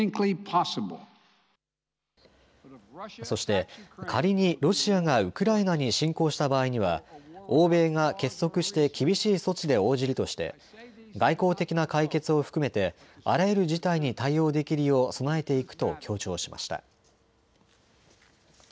そして仮にロシアがウクライナに侵攻した場合には欧米が結束して厳しい措置で応じるとして外交的な解決を含めてあらゆる事態に対応できるよう備えていくと強調しました。